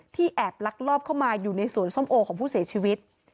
แอบลักลอบเข้ามาอยู่ในสวนส้มโอของผู้เสียชีวิต